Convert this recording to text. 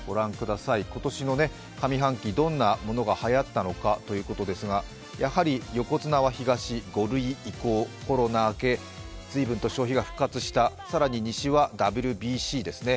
今年の上半期どんなものがはやったのかということですがやはり横綱は東、５類移行、コロナ明け、随分と消費が復活したそしてＷＢＣですね。